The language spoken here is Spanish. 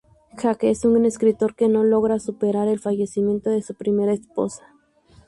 Jake es un escritor que no logra superar el fallecimiento de su primera esposa.